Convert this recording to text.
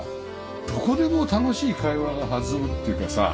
どこでも楽しい会話が弾むっていうかさ。